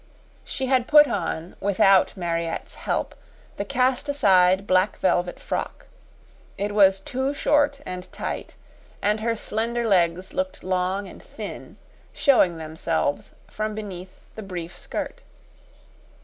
She had put on, without Mariette's help, the cast aside black velvet frock. It was too short and tight, and her slender legs looked long and thin, showing themselves from beneath the brief skirt.